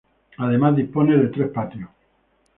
Además dispone de tres patios.